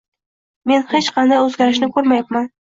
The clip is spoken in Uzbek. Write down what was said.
Men hech qanday oʻzgarishni koʻrmayapman.